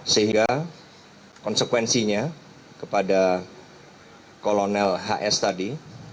sehingga konsekuensinya kepada kolonel hs tadi